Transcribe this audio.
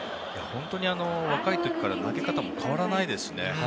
本当に若い時から投げ方も変わらないですしね。